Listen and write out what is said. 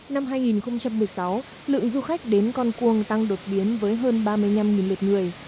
năm hai nghìn một mươi sáu lượng du khách đến con cuông tăng đột biến với hơn ba mươi năm lượt người